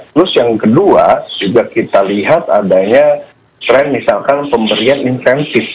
terus yang kedua juga kita lihat adanya tren misalkan pemberian insentif